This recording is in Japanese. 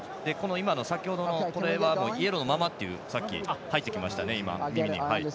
先ほどの結果はイエローのままと入ってきましたね、耳に。